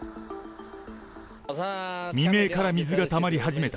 未明から水がたまり始めた。